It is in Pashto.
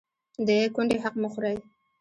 د کونډې حق مه خورئ